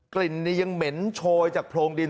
กลิ่นนี้ยังเหม็นโชยจากโพรงดิน